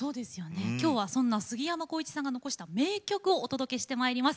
きょうは、そんなすぎやまこういちさんが残した名曲をお届けしてまいります。